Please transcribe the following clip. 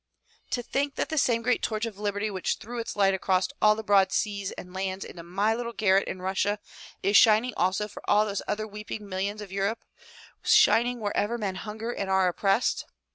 "To think that the same great torch of liberty which threw its light across all the broad seas and lands into my little garret in Russia, is shining also for all those other weeping millions of Eur ope, shining wherever men hunger and are oppressed."